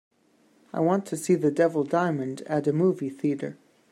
I want to see The Devil Diamond at a movie theatre.